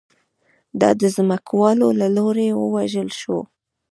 دا د ځمکوالو له لوري ووژل شو